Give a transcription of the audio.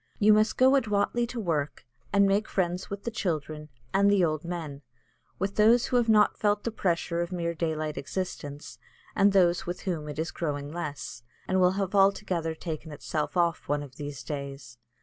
You must go adroitly to work, and make friends with the children, and the old men, with those who have not felt the pressure of mere daylight existence, and those with whom it is growing less, and will have altogether taken itself off one of these days.